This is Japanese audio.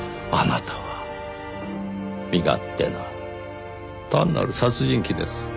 あなたは身勝手な単なる殺人鬼です。